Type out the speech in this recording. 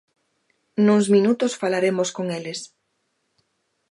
Nuns minutos falaremos con eles.